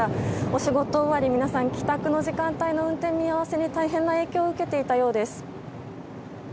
お仕事終わり、皆さん帰宅の時間帯の運転見合わせに大変な影響を受けていたようです。